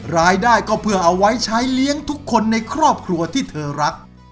รายได้ก็เพื่อเอาไว้ใช้เลี้ยงทุกคนในครอบครัวที่เธอรัก